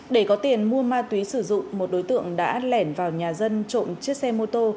để có tiền mua ma túy sử dụng một đối tượng đã lẻn vào nhà dân trộm chiếc xe mô tô